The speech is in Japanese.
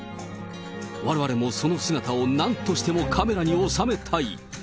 われわれもその姿をなんとしてもカメラに収めたい。